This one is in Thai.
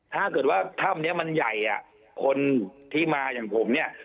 ถ้าเกิดว่าถ้ำนี้มันใหญ่อ่ะคนที่มาอย่างผมเนี่ย